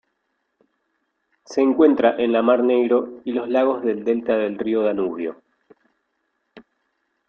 Se encuentra en la Mar Negro y los lagos del delta del río Danubio.